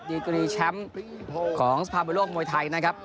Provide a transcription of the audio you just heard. ดีกรีแชมป์ของสภาบนโลกมวยไทยนะครับ